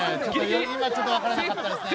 今ちょっと分からなかったですね。